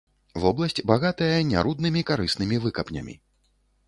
Вобласць багатая няруднымі карыснымі выкапнямі.